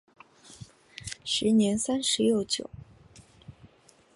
时年三十有九。